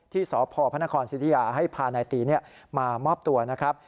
ที่สพพระนครศิริยาให้พานายตีมามอบตัวนะครับ